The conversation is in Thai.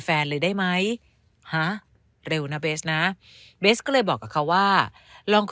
แฟนเลยได้ไหมฮะเร็วนะเบสนะเบสก็เลยบอกกับเขาว่าลอง